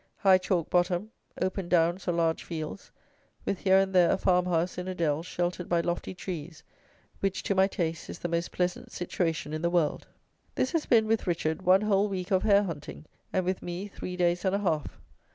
High, chalk bottom, open downs or large fields, with here and there a farmhouse in a dell sheltered by lofty trees, which, to my taste, is the most pleasant situation in the world. This has been, with Richard, one whole week of hare hunting, and with me, three days and a half.